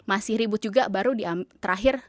masih ribut juga baru di terakhir